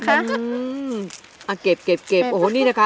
โป๊บอาเก็บเดี๋ยวนี่นะคะ